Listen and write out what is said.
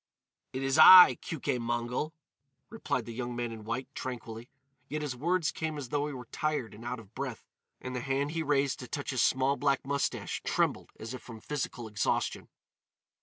"It is I, Keuke Mongol," replied the young man in white, tranquilly; yet his words came as though he were tired and out of breath, and the hand he raised to touch his small black moustache trembled as if from physical exhaustion.